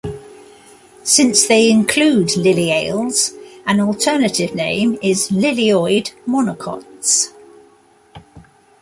Since they include Liliales, an alternative name is lilioid monocots.